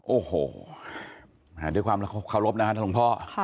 โอ้โหด้วยความรับขอบครับท่านหลวงพ่อ